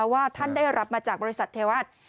ว่าท่านได้รับมาจากบริษัทเทวาส